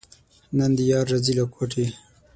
نن دې یار راځي له کوټې.